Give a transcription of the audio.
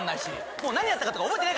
もう何やったかとか覚えてない。